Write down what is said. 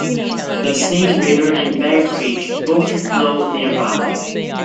The Snake River and Bear Creek both flow nearby.